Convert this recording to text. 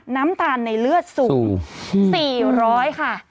น้ำตาลในเลือดสูง๔๐๐ค่ะ